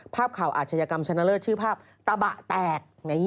ภาพข่าวอาชญากรรมชนะเลิศชื่อภาพตะบะแตก